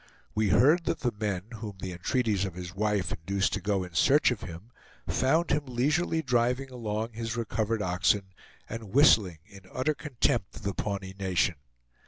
We heard that the men, whom the entreaties of his wife induced to go in search of him, found him leisurely driving along his recovered oxen, and whistling in utter contempt of the Pawnee nation.